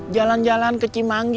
jalan jalan ke cimanggi